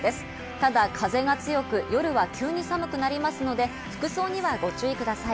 ただ風が強く、夜は急に寒くなりますので服装にはご注意ください。